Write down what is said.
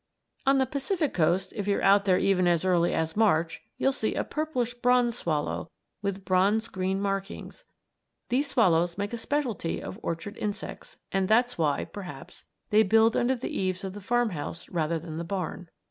On the Pacific Coast, if you're out there even as early as March, you'll see a purplish bronze swallow, with bronze green markings. These swallows make a specialty of orchard insects and that's why, perhaps, they build under the eaves of the farmhouse rather than the barn.